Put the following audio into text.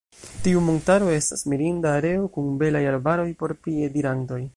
Tiu montaro estas mirinda areo kun belaj arbaroj por piedirantoj.